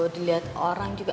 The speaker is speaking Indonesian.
diliat orang juga